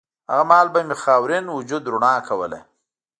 هغه مهال به مې خاورین وجود رڼا کوله